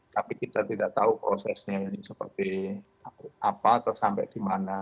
tapi kita tidak tahu prosesnya ini seperti apa atau sampai di mana